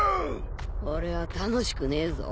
俺は楽しくねえぞ。